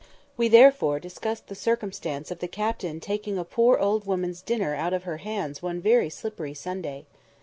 We therefore discussed the circumstance of the Captain taking a poor old woman's dinner out of her hands one very slippery Sunday.